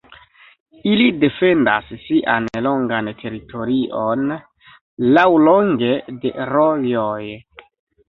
Ili defendas sian longan teritorion laŭlonge de rojoj.